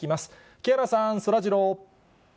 木原さん、そらジロー。